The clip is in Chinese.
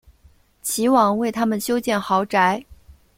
齐王为他们修建豪宅。